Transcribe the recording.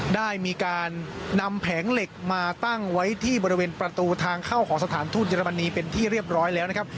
ได้มีการนำแผงเหล็กมาตั้งไว้ที่บริเวณประตูทางเข้าของสถานทูตเยอรมนีเป็นที่เรียบร้อยแล้วนะครับ